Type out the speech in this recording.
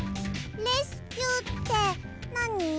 レスキューってなに？